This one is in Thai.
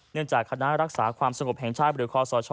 เนื่องจากคณะรักษาความสงบแห่งชาติบริวคอศช